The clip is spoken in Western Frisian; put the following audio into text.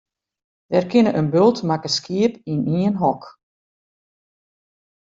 Der kinne in bult makke skiep yn ien hok.